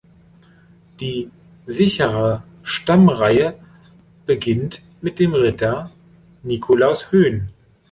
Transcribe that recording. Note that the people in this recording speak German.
Die sichere Stammreihe beginnt mit dem Ritter Nicolaus Hoen.